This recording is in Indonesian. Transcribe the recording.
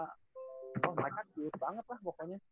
wah mereka kid banget lah pokoknya